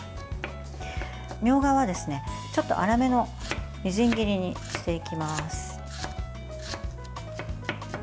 みょうがは粗めのみじん切りにしていきます。